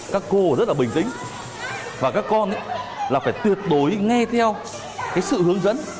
các cô rất là bình tĩnh và các con là phải tuyệt đối nghe theo sự hướng dẫn